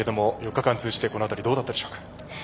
４日間通じて、この辺りどうだったでしょうか？